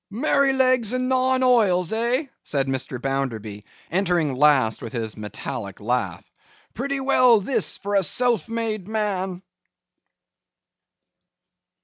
'Merrylegs and nine oils, eh!' said Mr. Bounderby, entering last with his metallic laugh. 'Pretty well this, for a self made man!